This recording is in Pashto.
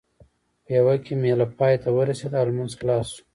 پېوه کې مېله پای ته ورسېده او لمونځ خلاص شو.